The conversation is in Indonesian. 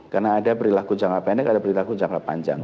karena ada perilaku jangka pendek ada perilaku jangka panjang